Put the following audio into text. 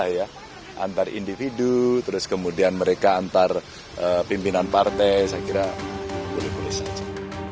antar individu terus kemudian mereka antar pimpinan partai saya kira boleh boleh saja